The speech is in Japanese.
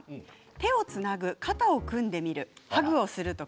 手をつなぐ、肩を組んでみるハグをする。